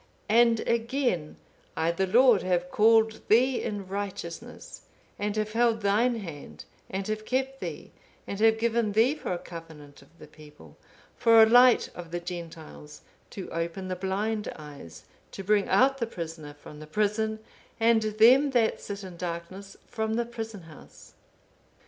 '(506) And again, 'I the Lord have called thee in righteousness, and have held thine hand, and have kept thee, and have given thee for a covenant of the people, for a light of the Gentiles; to open the blind eyes, to bring out the prisoner from the prison, and them that sit in darkness from the prison house.